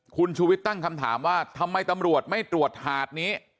คุณชูวิทย์ตั้งคำถามว่าทำไมตำรวจไม่ตรวจหาดนี้